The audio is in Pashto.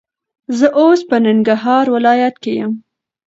زه اوس په ننګرهار ولایت کې یم.